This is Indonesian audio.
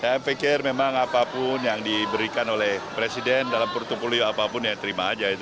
saya pikir memang apapun yang diberikan oleh presiden dalam portfolio apapun ya terima aja itu